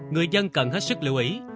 người dân cần hết sức lưu ý